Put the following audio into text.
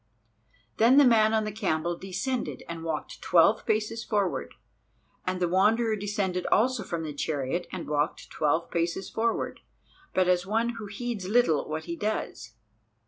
Then the man on the camel descended and walked twelve paces forward, and the Wanderer descended also from the chariot and walked twelve paces forward, but as one who heeds little what he does.